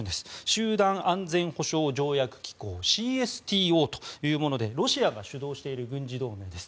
集団安全保障条約機構・ＣＳＴＯというものでロシアが主導している軍事同盟です。